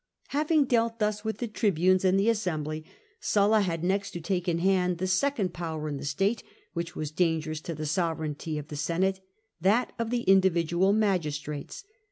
Having dealt thus with the tribunes and the assembly, Sulla had next to take in hand the second power in the state which was dangerous to the sovereignty of the Senate — that of the individual magistrates.